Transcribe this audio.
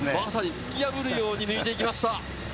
まさに突き破るように抜いて行きました。